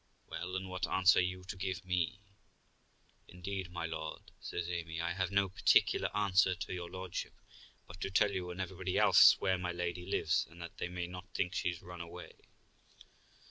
'Well, and what answer are you to give to me?' 'Indeed, my lord', says Amy, 'I have no particular answer to your lordship, but to tell you and everybody else where my lady lives, that they may not think she's run away.'